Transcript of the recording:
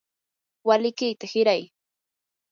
walikiyta hiray.